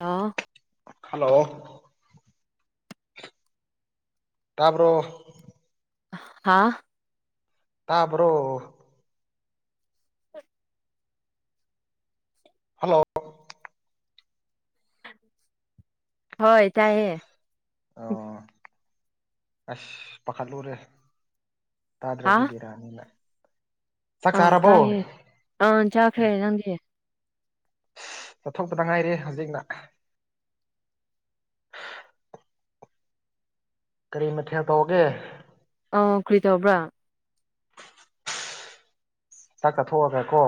ꯂꯣ hello ꯇꯥꯕꯔꯣ ꯍꯥꯥ ꯇꯥꯄ꯭ꯔꯣ ꯍꯜꯂꯣ ꯍꯣꯏ ꯇꯥꯏꯌꯦ ꯑꯣ ꯑꯁ ꯄꯥꯈꯠꯂꯨꯔꯦ ꯍꯥ ꯇꯥꯗ꯭ꯔꯗꯤ ꯕꯦꯔꯥ [unintelligible] ꯑꯥ ꯇꯥꯏꯌꯦ ꯑ ꯆꯥꯈ꯭ꯔꯦ ꯅꯪꯗꯤ ꯆꯠꯊꯣꯛꯄꯗ ꯉꯥꯏꯔꯦ ꯍꯧꯖꯤꯛꯅ ꯀꯔꯤ ꯃꯊꯦꯜ ꯇꯧꯒꯦ ꯑ ꯀ꯭ꯔꯤ ꯇꯧꯕ꯭ꯔꯥ ꯆꯥꯛ ꯀꯠꯊꯣꯛꯑꯒ ꯀꯣ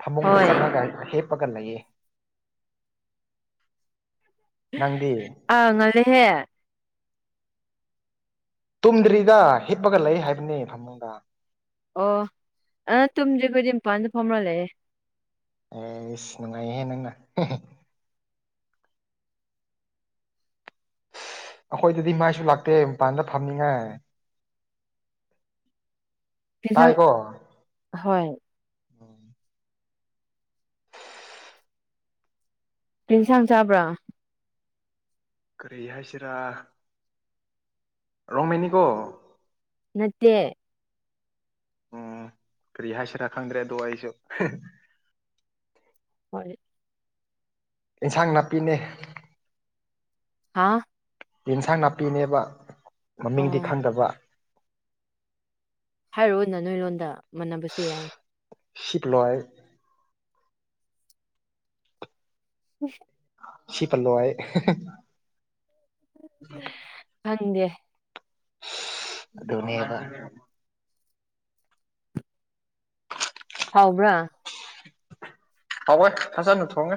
ꯐꯃꯨꯡꯗ ꯍꯣꯏ ꯆꯪꯉꯒ ꯍꯦꯞꯄꯒ ꯂꯩꯌꯦ ꯅꯪꯗꯤ ꯑꯥ ꯉꯜꯂꯦꯍꯦ ꯇꯨꯝꯗ꯭ꯔꯤꯗ ꯍꯤꯞꯄꯒ ꯂꯩ ꯍꯥꯏꯕꯅꯤ ꯐꯃꯨꯡꯗ ꯑꯣ ꯑꯥ ꯇꯨꯝꯗ꯭ꯔꯤ ꯑꯩꯈꯣꯏꯗꯤ ꯑꯝꯄꯥꯟꯗ ꯐꯝꯔ ꯂꯩꯌꯦ ꯑꯦꯁ ꯅꯨꯡꯉꯥꯏꯍꯦ ꯅꯪꯅ [unintelligible] ꯑꯩꯈꯣꯏꯗꯗꯤ ꯃꯥꯏꯁꯨ ꯂꯥꯛꯇꯦ ꯃꯄꯥꯟꯗ ꯐꯝꯅꯤꯉꯥꯏ [unintelligible] [unintelligible] ꯁꯥꯡ ꯍꯣꯏ ꯑꯣ ꯀ꯭ꯔꯤ ꯌꯦꯟꯁꯥꯡ ꯆꯥꯕ꯭ꯔꯥ ꯀꯔꯤ ꯍꯥꯏꯁꯤꯔꯥ ꯔꯣꯡꯃꯦꯅꯤ ꯀꯣ ꯅꯠꯇꯦ ꯎꯝ ꯀ꯭ꯔꯤ ꯍꯥꯏꯁꯤꯔꯥ ꯈꯪꯗ꯭ꯔꯦ ꯑꯗꯣ ꯑꯩꯁꯨ [unintelligible] ꯍꯣꯏ ꯏꯟꯁꯥꯡ ꯅꯥꯄꯤꯅꯦ ꯍꯥ ꯌꯦꯟꯁꯥꯡ ꯅꯥꯄꯤꯅꯦꯕ ꯃꯃꯤꯡꯗꯤ ꯑꯣ ꯈꯪꯗꯕ ꯍꯥꯏꯔꯑꯣꯅ ꯅꯣꯏ ꯂꯣꯟꯗ ꯃꯥꯟꯅꯕꯁꯨ ꯌꯥꯏ ꯁꯤꯞꯂꯣꯏ [unintelligible] ꯁꯤꯄꯜꯂꯣꯏ [unintelligible] ꯈꯪꯗꯦ ꯑꯗꯨꯅꯦꯕ ꯍꯥꯎꯕ꯭ꯔꯥ ꯍꯥꯎꯋꯦ ꯐꯖꯅ ꯊꯣꯡꯉꯦ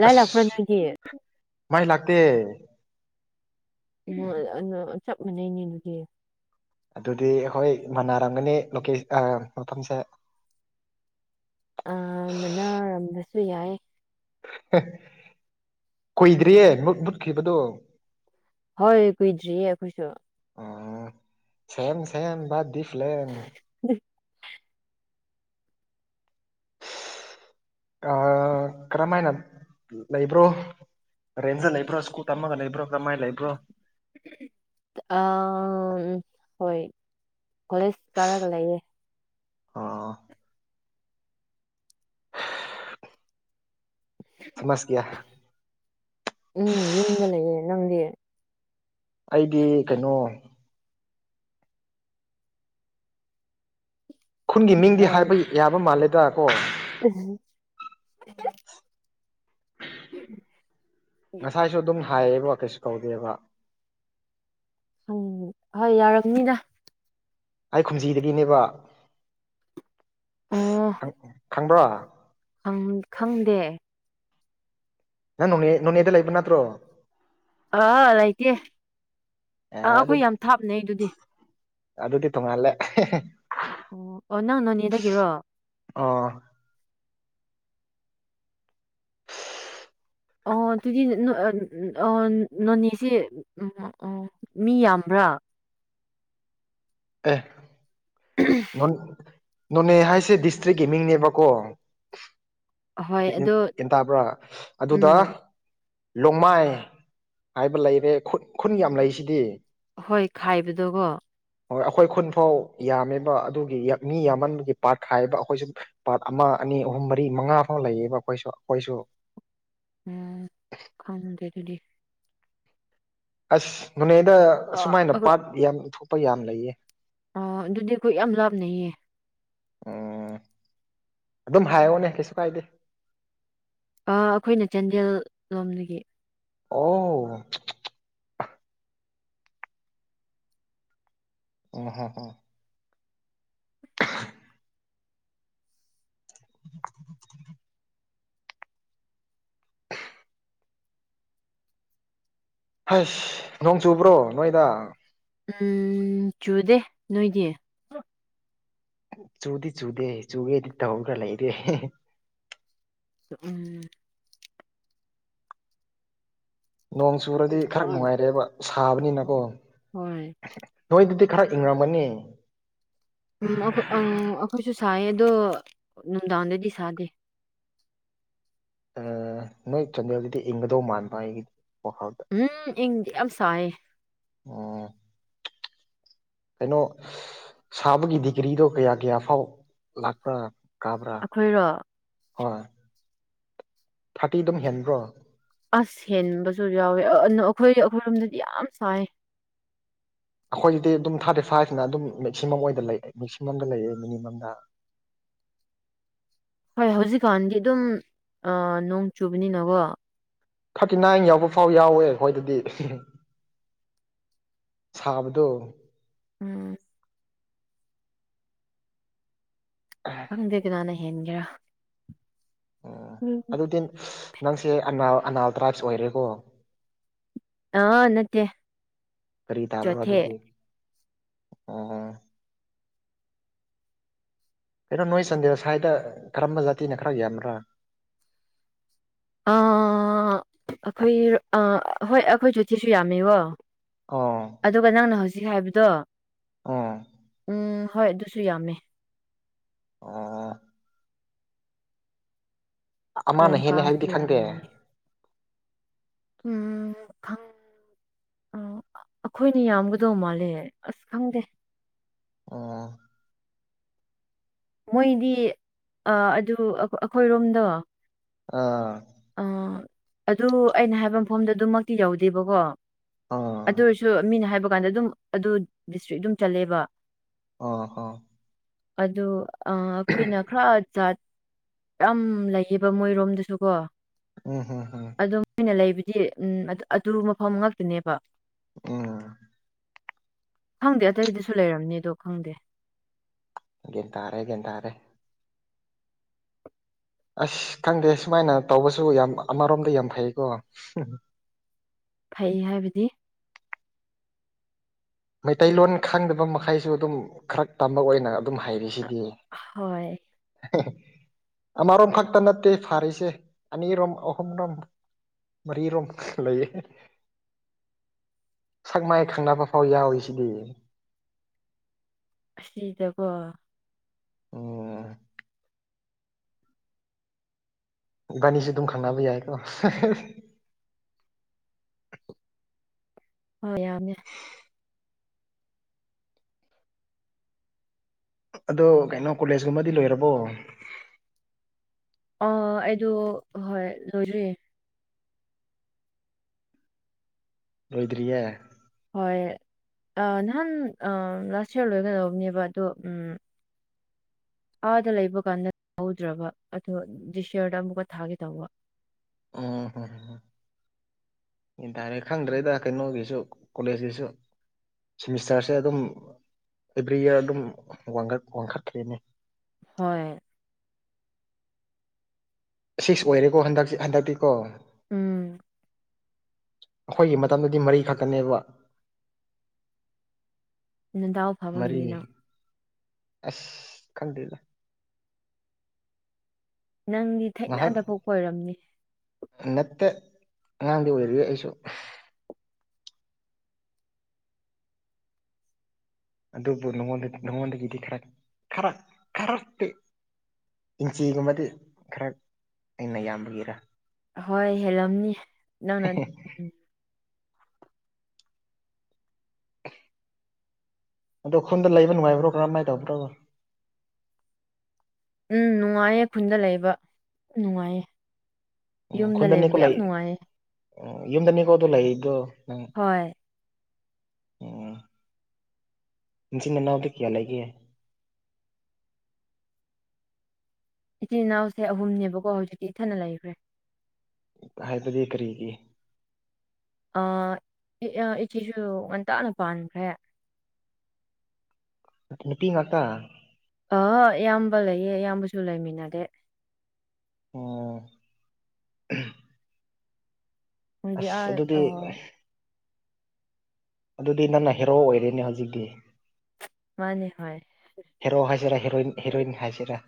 ꯂꯥꯏ ꯂꯥꯛꯄ꯭ꯔ ꯅꯣꯏꯗꯤ ꯃꯥꯏ ꯂꯥꯛꯇꯦ [unintelligible] ꯆꯞ ꯃꯥꯟꯅꯩꯅꯦ ꯑꯗꯨꯗꯤ ꯑꯗꯨꯗꯤ ꯑꯩꯈꯣꯏ ꯃꯥꯟꯅꯔꯝꯒꯅꯤ ꯂꯣꯀꯦ ꯑ ꯃꯐꯝꯁꯦ ꯑ ꯃꯟꯅꯥꯔꯝꯕꯁꯨ ꯌꯥꯏ ꯀꯨꯏꯗ꯭ꯔꯤꯌꯦ ꯃꯨꯠꯈꯤꯕꯗꯣ ꯍꯣꯏ ꯀꯨꯏꯗ꯭ꯔꯤꯌꯦ ꯑꯩꯈꯣꯏꯁꯨ ꯑꯣ ꯁꯦꯝ ꯁꯦꯝ ꯕꯗ ꯗꯤꯐ꯭ꯂꯦꯟ [unintelligible] ꯑꯥ ꯀꯔꯝꯃꯥꯏꯅ ꯂꯩꯕ꯭ꯔꯣ ꯔꯦꯟꯗ ꯂꯩꯕ꯭ꯔꯣ ꯁ꯭ꯀ ꯀꯨ ꯇꯝꯃꯒ ꯂꯩꯕ꯭ꯔꯣ ꯀꯃꯥꯏ ꯂꯩꯕ꯭ꯔꯣ ꯑꯥꯝ ꯍꯣꯏ ꯀꯣꯂꯦꯖ ꯀꯥꯔꯒ ꯂꯩꯌꯦ ꯑꯣ ꯁꯃꯁ ꯀꯌꯥ ꯎꯝ ꯌꯨꯝꯗ ꯂꯩꯌꯦ ꯅꯪꯗꯤ ꯑꯩꯗꯤ ꯀꯩꯅꯣ ꯈꯨꯟꯒꯤ ꯃꯤꯡꯗꯤ ꯑ ꯍꯥꯏꯕ ꯌꯥꯕ ꯃꯥꯜꯂꯦꯗꯥ ꯀꯣ [unintelligible] [unintelligible] ꯉꯁꯥꯏꯁꯨ ꯑꯗꯨꯝ ꯍꯥꯏꯌꯦꯕ ꯀꯩꯁꯨ ꯀꯧꯗꯦꯕ ꯍꯪ ꯍꯣꯏ ꯌꯥꯔꯝꯅꯤꯗ ꯑꯩ ꯈꯨꯨꯝꯖꯤꯗꯒꯤꯅꯦꯕ ꯈꯪ ꯈꯪꯕ꯭ꯔꯣ ꯑꯝ ꯈꯪꯗꯦ ꯅꯪ ꯅꯣꯅꯦ ꯅꯣꯅꯦꯗ ꯂꯩꯕ ꯅꯠꯇ꯭ꯔꯣ ꯑꯥ ꯂꯩꯇꯦ ꯑꯥ ꯑꯦ ꯑꯗꯨ ꯑꯩꯈꯣꯏ ꯌꯥꯝ ꯊꯥꯞꯅꯩ ꯑꯗꯨꯗꯤ ꯑꯗꯨꯗꯤ ꯇꯣꯡꯉꯥꯜꯂꯦ [unintelligible] ꯑꯣ ꯑꯣ ꯅꯪ ꯅꯣꯅꯦꯗꯒꯤꯔꯣ ꯑꯣ ꯑꯣ ꯑꯗꯨꯗꯤ ꯑꯣ ꯅꯣꯅꯦꯁꯦ ꯎꯝ ꯑꯣ ꯃꯤ ꯌꯥꯝꯕ꯭ꯔꯥ ꯑ‌ꯦ [unintelligible] ꯅꯣꯅꯦ ꯍꯥꯏꯁꯦ ꯗꯤꯁꯇ꯭ꯔꯤꯛꯀꯤ ꯃꯤꯡꯅꯦꯕꯀꯣ ꯍꯣꯏ ꯑꯗꯣ ꯀ‌ꯦꯟ ꯇꯕ꯭ꯔꯥ ꯑꯗꯨꯗ ꯎꯝ ꯂꯣꯡꯃꯥꯏ ꯍꯥꯏꯕ ꯂꯩꯔꯦ ꯈꯨ ꯈꯨꯟ ꯌꯥꯝ ꯂꯩꯁꯤꯗꯤ ꯍꯣꯏ ꯍꯥꯏꯕꯗ‌ꯣꯀ‌ꯣ ꯍꯣꯏ ꯑꯩꯈꯣꯏ ꯈꯨꯟꯐꯥꯎ ꯌꯥꯝꯃꯦꯕ ꯑꯗꯨꯒꯤ ꯃꯤ ꯌꯥꯝꯃꯟꯕꯒꯤ ꯄꯥꯔꯠ ꯈꯥꯏꯌ‌ꯦꯕ ꯑꯩꯈꯣꯏꯁꯨ ꯄꯥꯔꯠ ꯑꯃ ꯑꯅꯤ ꯑꯍꯨꯝ ꯃꯔꯤ ꯃꯉꯥ ꯐꯥꯎ ꯂꯩꯌꯦꯕ ꯑꯩꯈꯣꯏꯁꯨ ꯑꯩꯈꯣꯏꯁꯨ ꯎꯝ ꯈꯪꯗꯦ ꯑꯗꯨꯗꯤ ꯑꯁ ꯅ‌ꯣꯅꯦꯗ ꯑ ꯑꯁꯨꯃꯥꯏꯅ ꯄꯥꯔꯠ ꯌꯥꯝ ꯊꯣꯛꯄ ꯌꯥꯝ ꯂꯩꯌꯦ ꯑꯣ ꯑꯗꯨꯗꯤ ꯑꯩꯈꯣꯏ ꯌꯥꯝ ꯂꯥꯞꯅꯩꯌꯦ ꯎꯝ ꯑꯗꯨꯝ ꯍꯥꯏꯌ‌ꯣꯅꯦ ꯀꯩꯁꯨ ꯀꯥꯏꯗꯦ ꯑꯥ ꯑꯩꯈꯣꯏꯅ ꯆꯥꯟꯗꯦꯜ ꯂꯣꯝꯗꯒꯤ ꯑꯣ [unintelligible] [unintelligible] [unintelligible] ꯍꯁ ꯅꯣꯡ ꯆꯨꯕ꯭ꯔꯣ ꯅꯣꯏꯗ ꯎꯝ ꯆꯨꯗꯦ ꯅꯣꯏꯗꯤ ꯆꯨꯗꯤ ꯆꯨꯗꯦ ꯆꯨꯒꯦꯗꯤ ꯇꯧꯔꯒ ꯂꯩꯔꯦ ꯎꯝ ꯅꯣꯡ ꯆꯨꯔꯗꯤ ꯈꯔ ꯅꯨꯡꯉꯥꯏꯔ‌ꯦꯕ ꯁꯥꯕꯅꯤꯅꯀꯣ ꯍꯣꯏ ꯎꯝ ꯅꯣꯏꯗꯨꯗꯤ ꯈꯔ ꯏꯪꯔꯝꯒꯅꯤ ꯎꯝ ꯑꯩꯈꯣꯏ ꯑ ꯑꯩꯈꯣꯏꯁꯨ ꯁꯥꯏꯌꯦ ꯑꯗꯣ ꯅꯨꯡꯗꯥꯡꯗꯗꯤ ꯁꯥꯗꯦ ꯑꯥ ꯅꯣꯏ ꯆꯥꯟꯗꯦꯜꯗꯨꯗꯤ ꯏꯪꯒꯗꯧ ꯃꯥꯟꯕ ꯑꯩꯒꯤ ꯋꯥꯈꯜꯗ ꯎꯝ ꯏꯪꯗ‌ꯦ ꯌꯥꯝ ꯁꯥꯏꯌ‌ꯦ ꯑꯣ ꯀꯩꯅꯣ ꯁꯥꯕꯒꯤ ꯗꯤꯒ꯭ꯔꯤꯗꯣ ꯀꯌꯥ ꯀꯌꯥ ꯐꯥꯎ ꯂꯥꯛꯄꯔ ꯀꯥꯕ꯭ꯔꯥ ꯑꯩꯈꯣꯏꯔꯣ ꯍꯣꯏ ꯊꯥꯔꯇꯤ ꯑꯗꯨꯝ ꯍꯦꯟꯈ꯭ꯔꯣ ꯑꯁ ꯍꯦꯟꯕꯁꯨ ꯌꯥꯎꯋꯦ ꯑꯩꯈꯣꯏ ꯑꯩꯈꯣꯏꯔꯣꯝꯗꯗꯤ ꯌꯥꯝ ꯁꯥꯏꯌ‌ꯦ ꯑꯩꯈꯣꯏꯁꯤꯗꯤ ꯑꯗꯨꯝ ꯊꯥꯔꯇꯤ ꯐꯥꯏꯚꯅ ꯑꯗꯨꯝ ꯃꯦꯛꯁꯤꯃꯝ ꯂꯩ ꯃꯦꯛꯁꯤꯃꯝꯗ ꯂꯩꯌ‌ꯦ ꯃꯤꯅꯤꯃꯝꯗ ꯍꯣꯏ ꯍꯧꯖꯤꯛꯀꯥꯟꯗꯤ ꯑꯗꯨꯝ ꯑꯥ ꯅꯣꯡ ꯆꯨꯕꯅꯤꯅꯀꯣ ꯊꯥꯔꯇꯤ ꯅꯥꯏꯟ ꯌꯥꯎꯕ ꯐꯥꯎ ꯌꯥꯎꯋꯦ ꯑꯩꯈꯣꯏꯗꯗꯤ ꯁꯥꯕꯗꯣ ꯎꯝ ꯈꯪꯗꯦ ꯀꯅꯥꯅ ꯍꯦꯟꯒꯦꯔꯥ ꯎꯝ ꯑꯗꯨꯗꯤ ꯅꯪꯁꯦ ꯑꯅꯥꯜ ꯑꯅꯥꯜ ꯇ꯭ꯔꯥꯏꯞꯁ ꯑꯣꯏꯔꯦꯀꯣ ꯑꯥ ꯅꯠꯇꯦ ꯀꯔꯤ ꯇꯥꯕ꯭ꯔꯣ ꯆꯣꯊꯦ ꯑꯗꯨꯗꯤ [unintelligible] ꯀꯩꯅꯣ ꯅꯣꯏ ꯆꯟꯗ꯭ꯔ ꯁ꯭ꯋꯥꯏꯗ ꯀꯔꯝꯕ ꯖꯥꯇꯤꯅ ꯈꯔ ꯌꯥꯝꯕ꯭ꯔꯥ ꯑꯥ ꯑꯩꯈꯣꯏ ꯑꯥ ꯍꯣꯏ ꯑꯩꯈꯣꯏ ꯆ‌ꯣꯊ‌ꯦꯁꯨ ꯌꯥꯝꯃꯦꯀ‌ꯣ ꯑꯣ ꯑꯗꯨꯒ ꯅꯪꯅ ꯍꯧꯖꯤꯛ ꯍꯥꯏꯕꯗꯣ ꯑꯣ ꯎꯝ ꯍꯣꯏ ꯑꯗꯨꯁꯨ ꯌꯥꯝꯃꯦ ꯑꯥ ꯑꯃꯅ ꯍꯦꯜꯂꯤ ꯂꯝꯀꯥꯡꯁꯨ ꯍꯥꯏꯕꯗꯤ ꯈꯪꯗꯦ ꯌꯥꯝꯃꯦ ꯎꯝ ꯈꯪ ꯑ ꯑꯩꯈꯣꯏꯅ ꯌꯥꯝꯒꯗꯧ ꯃꯥꯜꯂꯦ ꯑꯁ ꯈꯪꯗꯦ ꯑꯣ ꯃꯣꯏꯗꯤ ꯑꯗꯨ ꯑꯩꯈꯣꯏꯔꯣꯝꯗꯣ ꯑꯥ ꯑ ꯑꯗꯨ ꯑꯩꯅ ꯍꯥꯏꯕ ꯃꯐꯝꯗ ꯑꯗꯨꯃꯛꯇꯤ ꯌꯎꯗꯦꯕꯀꯣ ꯑꯥ ꯑꯗꯨꯔꯁꯨ ꯃꯤꯅ ꯍꯥꯏꯕ ꯀꯥꯟꯗ ꯑꯗꯨꯝ ꯑꯗꯨ ꯗꯤꯁꯇ꯭ꯔꯤꯛ ꯑꯗꯨꯝ ꯆꯜꯂꯦꯕ ꯑꯣ ꯍ ꯑ ꯑꯩꯈꯣꯏꯅ ꯈꯔꯖꯥꯠ ꯌꯥꯝ ꯂꯩꯌꯦꯕ ꯃꯣꯏꯔꯣꯝꯗꯁꯨ ꯀꯣ ꯑꯣ ꯍ ꯍ ꯑꯗꯣ ꯃꯣꯏꯅ ꯂꯩꯕꯗꯤ ꯎꯝ ꯑꯗꯨ ꯃꯐꯝ ꯉꯥꯛꯇꯅꯦꯕ ꯎꯝ ꯈꯪꯗꯦ ꯑꯇꯩꯗꯁꯨ ꯂꯩꯔꯝꯅꯤ ꯑꯗꯣ ꯈꯪꯗꯦ ꯒꯤꯌꯟꯇꯔꯦ ꯒꯤꯌꯥꯟꯠꯔꯦ ꯑꯁ ꯈꯪꯗꯦ ꯁꯨꯃꯥꯏꯅ ꯇꯧꯕꯁꯨ ꯌꯥꯝ ꯑꯃꯔꯣꯝꯗ ꯌꯥꯝ ꯐꯩꯌꯦꯀꯣ ꯐꯩ ꯍꯥꯏꯕꯗꯤ ꯃꯩꯇꯩꯂꯣꯟ ꯈꯪꯗꯕ ꯃꯈꯩꯁꯨ ꯑꯗꯨꯝ ꯈꯔ ꯇꯝꯕ ꯑꯣꯏꯅ ꯑꯗꯨꯝ ꯑ- ꯍꯩꯔꯤꯁꯤꯗꯤ ꯍꯣꯏ ꯑꯃꯔꯣꯝ ꯈꯛꯇ ꯅꯠꯇꯦ ꯐꯔꯤꯁꯦ ꯑꯅꯤꯔꯣꯝ ꯑꯍꯨꯝꯔꯣꯝ ꯃꯔꯤꯔꯣꯝ ꯂꯩꯌꯦ ꯁꯛ ꯃꯥꯏ ꯈꯪꯅꯕ ꯍꯣꯏ ꯌꯥꯎꯋꯤ ꯁꯤꯗꯤ ꯑꯁꯤꯗꯀꯣ ꯎꯝ ꯒꯅꯤꯁꯨꯦ ꯑꯗꯨꯝ ꯈꯪꯅꯕ ꯌꯥ ꯑꯩꯀꯣ ꯍꯣꯏ ꯌꯥꯝꯃꯤ ꯌꯥ ꯑꯗꯣ ꯀꯩꯅꯣ ꯀꯣꯂꯦꯖꯀꯨꯝꯕꯗꯤ ꯂꯣꯏꯔꯕꯣ ꯑ ꯑꯩꯗꯣ ꯍꯣꯏ ꯂꯣꯏꯔꯌꯦ ꯂꯣꯏꯗ꯭ꯔꯤꯌꯦ ꯍꯣꯏ ꯅꯍꯥꯟ ꯂꯥꯁ ꯏꯌꯥꯔ ꯂꯣꯏꯒꯗꯧꯕꯅꯦꯕ ꯑꯗꯣ ꯎꯝ ꯑꯥꯗ ꯂꯩꯕ ꯀꯥꯟꯗ ꯇꯧꯗ꯭ꯔꯕ ꯑꯗꯣ ꯗꯤꯁꯌꯔꯗ ꯑꯃꯨꯛꯀ ꯊꯥꯒꯦ ꯇꯧꯕ ꯎꯍꯥ ꯌꯦꯟ ꯇꯥꯔꯦ ꯈꯪꯗ꯭ꯔꯦꯗ ꯀꯩꯅꯣꯒꯤꯁꯨ ꯀꯣꯂꯦꯖꯀꯤꯁꯨ ꯁꯤꯦꯃꯤꯁꯇꯔꯁꯦ ꯑꯗꯨꯝ ꯑꯦꯕ꯭ꯔꯤ ꯏꯌꯥꯔ ꯑꯗꯨꯝ ꯋꯥꯡꯈꯠꯈ꯭ꯔꯦꯅꯦ ꯍꯣꯏ ꯁꯤꯛꯁ ꯑꯣꯏꯔꯦꯀꯣ ꯍꯟꯗꯛꯁꯤ ꯍꯟꯗꯛꯇꯤꯀꯣ ꯎꯝ ꯑꯩꯈꯣꯏꯒꯤ ꯃꯇꯝꯗꯨꯗꯤ ꯃꯔꯤ ꯈꯛꯇꯅꯦꯕ ꯅꯟꯗꯥꯎ ꯃꯔꯤ ꯐꯕꯒꯤꯅꯤ ꯅꯪ ꯑꯁ ꯀꯟꯗꯂ ꯅꯪꯗꯤ ꯊꯩꯅꯗꯕꯣꯛ ꯑꯣꯏꯣꯏꯔꯝꯅꯤ ꯅꯠꯇ ꯑꯉꯥꯡꯗꯤ ꯑꯣꯏꯔꯏ ꯑꯩꯁꯨ ꯑꯗꯨꯕꯨꯉ ꯅꯉꯣꯟꯗꯒꯤꯗꯤ ꯈꯔ ꯈꯔ ꯈꯔ ꯏꯟꯆꯤꯒꯨꯝꯕꯗꯤ ꯈꯔ ꯑꯩꯅ ꯌꯥꯝꯕꯒꯤꯔ ꯍꯣꯏ ꯍꯦꯜꯂꯝꯅꯤ ꯅꯪꯅ ꯎꯝ ꯑꯗꯣ ꯈꯨꯟꯗ ꯂꯩꯕ ꯅꯨꯡꯉꯕꯣꯕ꯭ꯔꯥꯝꯃꯥꯏ ꯇꯧꯕꯕ꯭ꯔꯣ ꯎꯝ ꯅꯨꯡꯉꯥꯏꯌꯦ ꯈꯨꯟꯗ ꯂꯩꯕ ꯅꯨꯡꯉꯥꯏꯌꯦ ꯌꯨꯝꯗ ꯂꯩꯕꯗ ꯌꯥꯝ ꯅꯨꯡꯉꯥꯏꯌꯦ ꯎ ꯌꯨꯝꯗꯅꯤꯀꯣ ꯑꯗꯨꯣ ꯂꯩꯗꯣ ꯅꯪ ꯍꯣꯏ ꯁꯤ ꯃꯦꯟꯅ ꯅꯅꯥꯎꯗ ꯀꯌꯥꯂꯒꯦ ꯏꯆꯤꯜ ꯏꯅꯥꯎꯁꯦ ꯑꯍꯨꯝꯅꯦꯕꯀꯣ ꯍꯧꯖꯤꯛꯤ ꯏꯊꯅ ꯂꯩꯈ꯭ꯔꯦ ꯍꯥꯏꯕꯗꯤ ꯀꯔꯤꯒꯤ ꯑ ꯏꯆꯦꯁꯨ ꯉꯟꯇꯥꯅ ꯄꯥꯟꯈ꯭ꯔꯦ ꯅꯨꯄꯤꯃꯀ ꯑ ꯑꯌꯥꯝꯕ ꯂꯩꯌꯦ ꯑꯌꯥꯝꯕꯁꯨ ꯂꯩꯃꯤꯟꯅꯔꯦ ꯑꯣꯝ ꯃꯣꯏꯗꯤ ꯑꯁ ꯑꯗꯨꯗꯤ ꯑꯥ ꯑꯗꯨꯗꯤ ꯅꯪꯅ ꯍꯦꯔꯣ ꯑꯣꯏꯔꯦꯅꯦ ꯍꯧꯖꯤꯛꯇꯤ ꯃꯥꯅꯦ ꯍꯣꯏ ꯍꯦꯔꯣ ꯍꯥꯏꯁꯤꯔꯥ ꯍꯦꯔꯣꯏꯟ ꯍꯦꯔꯣꯏꯟ ꯍꯥꯏꯁꯤꯔꯥ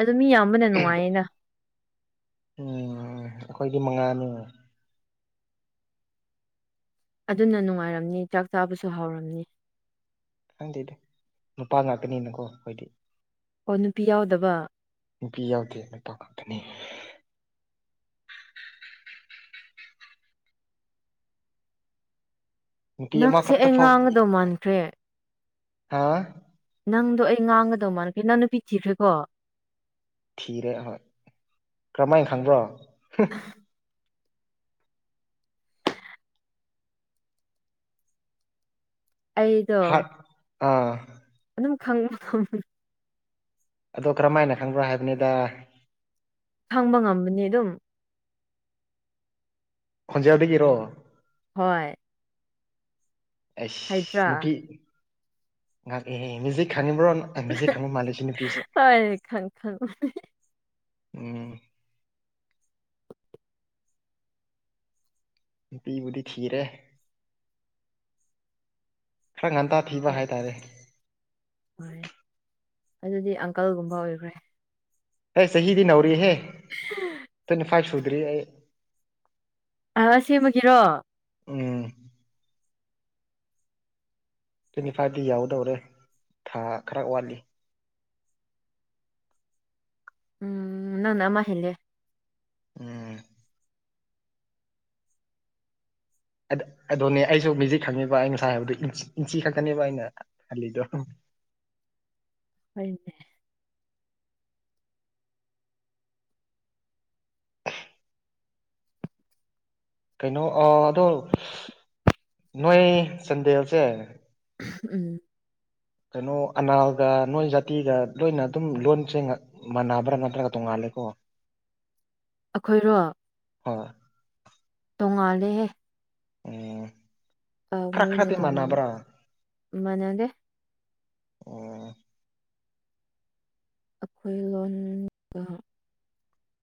ꯑꯗꯨ ꯃꯤ ꯌꯥꯝꯕꯅ ꯅꯨꯡꯉꯥꯏꯌꯦꯅ ꯎꯝ ꯑꯩꯈꯣꯏꯒꯤ ꯃꯉꯥꯅ ꯑꯗꯨꯅ ꯅꯨꯡꯉꯥꯏꯔꯝꯅꯤ ꯆꯥꯛ ꯆꯥꯕꯁꯨ ꯍꯥꯎꯔꯝꯅꯤ ꯈꯪꯗꯦꯗꯤ ꯅꯨꯄꯥ ꯉꯥꯛꯇꯅꯤꯅꯀꯣ ꯑꯩꯈꯣꯏꯗꯤ ꯑꯣ ꯅꯨꯄꯤ ꯌꯥꯎꯗꯕ ꯅꯨꯄꯤ ꯌꯥꯎꯗꯦ ꯅꯨꯄꯥ ꯈꯥꯛꯇꯅꯤ ꯅꯨꯄꯤ ꯅꯪꯁꯦ ꯑꯃꯈꯛꯇ ꯑꯩ ꯐꯥꯎ ꯉꯥꯡꯒꯗꯧ ꯃꯥꯟꯈ꯭ꯔꯦ ꯍꯥ ꯅꯪꯗꯣ ꯑꯩ ꯉꯥꯡꯒꯗꯧ ꯃꯥꯥꯟꯅꯈꯦ ꯅꯪ ꯅꯨꯄꯤ ꯊꯤꯈ꯭ꯔꯦꯀꯣ ꯊꯤꯔꯦ ꯑꯍꯣꯏ ꯀꯔꯝꯍꯥꯏꯅ ꯈꯪꯕ꯭ꯔꯣ ꯑꯩꯗꯣ [unintelligible] ꯑꯗꯨꯝ ꯈꯪꯕ ꯑꯗꯣ ꯀꯔꯝ ꯍꯥꯏꯅ ꯈꯪꯕ꯭ꯔꯣ ꯍꯥꯏꯕꯅꯤꯗ ꯈꯪꯕ ꯉꯝꯕꯅꯤ ꯑꯗꯨꯝ ꯈꯣꯟꯖꯦꯜꯗꯒꯤꯔꯣ ꯍꯣꯏ ꯍꯩꯇ꯭ꯔꯥ ꯎꯁ ꯅꯨꯄꯤ ꯉꯥꯛ ꯑꯦ ꯍꯦ ꯍꯧꯖꯤꯛ ꯈꯪꯅꯤꯪꯕꯔꯣ ꯑꯦ ꯃꯤꯖꯤꯛ ꯈꯪꯕ ꯃꯥꯜꯂꯦ ꯁꯤ ꯅꯨꯄꯤꯁꯦ ꯍꯣꯏ ꯈꯪ ꯈꯪ ꯎꯝ ꯅꯨꯄꯤꯕꯨꯗꯤ ꯊꯤꯔꯦ ꯈꯔ ꯉꯟꯇꯥ ꯊꯤꯕ ꯍꯥꯏꯇꯥꯔꯦ ꯐꯦ ꯑꯗꯨꯗꯤ ꯑꯪꯀꯜꯒꯨꯝꯕ ꯑꯣꯏꯈ꯭ꯔꯦ ꯑꯩ ꯆꯍꯤꯗꯤ ꯅꯧꯔꯤꯍꯦ ꯇ꯭ꯋꯦꯟꯇꯤ ꯐꯥꯏꯚ ꯁꯨꯗ꯭ꯔꯤ ꯑꯩ ꯑ ꯁꯦꯝꯃꯒꯦꯔꯣ ꯎꯝ ꯇ꯭ꯋꯦꯟꯇꯤ ꯐꯥꯏꯚꯇꯤ ꯌꯥꯎꯗꯧꯔꯦ ꯊꯥ ꯈꯔ ꯋꯥꯠꯂꯤ ꯎꯝ ꯅꯪ ꯅꯃ ꯍꯂꯦ ꯎꯝ ꯑꯗꯨ ꯑꯗꯨꯅꯦ ꯑꯩꯁꯨ ꯃꯤꯖꯤ ꯈꯪꯉꯦꯕ ꯑꯩ ꯉꯁꯥꯏ ꯍꯥꯏꯕꯗꯣ ꯏꯟꯆꯤ ꯏꯟꯆꯤ ꯈꯛꯇꯅꯦꯕ ꯑꯩꯅ ꯍꯜꯂꯤꯗꯣ ꯍꯗꯤ ꯀꯩꯅꯣ ꯑꯗꯣ ꯅꯣꯏ ꯆꯥꯟꯗꯦꯜꯁꯦ ꯎꯝ ꯀꯩꯅꯣ ꯑꯅꯥꯜꯒ ꯅꯣꯏ ꯖꯥꯇꯤꯒ ꯂꯣꯏꯅ ꯑꯗꯨꯝ ꯂꯣꯟꯁꯦꯡꯅ ꯃꯥꯅꯥꯕ꯭ꯔꯥ ꯅꯠꯇ꯭ꯔꯒ ꯇꯣꯡꯉꯥꯜꯂꯦꯀꯣ ꯑꯩꯈꯣꯏꯔꯣ ꯍꯣꯏ ꯇꯣꯡꯉꯥꯜꯂꯦꯍꯦ ꯎꯝ ꯑ, ꯈ꯭ꯔꯥ ꯃꯣꯏꯅ ꯈ꯭ꯔꯥꯗꯤ ꯇꯣꯡꯉꯥꯟ ꯃꯥꯟꯕ꯭ꯔꯥ ꯃꯥꯟꯅꯗꯦ ꯎꯝ [inaudible]